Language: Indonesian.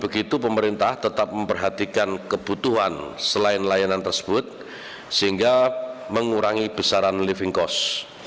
begitu pemerintah tetap memperhatikan kebutuhan selain layanan tersebut sehingga mengurangi besaran living cost